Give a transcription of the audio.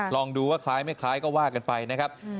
ลองดูว่าคล้ายไม่คล้ายก็ว่ากันไปนะครับ